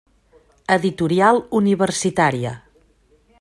Editorial Universitària.